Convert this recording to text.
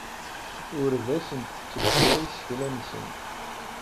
Ur da asent-ttebbiɣ isekla-nsent.